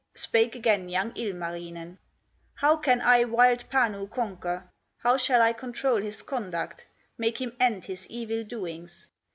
Spake again young Ilmarinen: "How can I wild Panu conquer, How shall I control his conduct, Make him end his evil doings?